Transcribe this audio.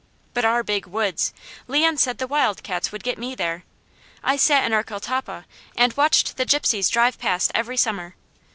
But our Big Woods! Leon said the wildcats would get me there. I sat in our catalpa and watched the Gypsies drive past every summer.